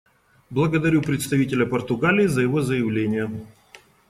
Благодарю представителя Португалии за его заявление.